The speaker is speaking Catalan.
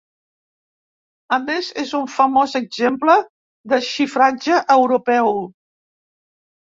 A més, és un famós exemple de xifratge europeu.